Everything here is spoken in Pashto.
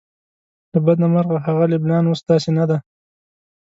له بده مرغه هغه لبنان اوس داسې نه دی.